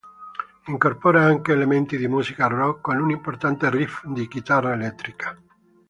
Incorpora anche elementi di musica rock, con un importante riff di chitarra elettrica.